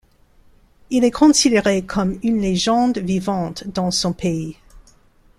Il est considéré comme une légende vivante dans son pays.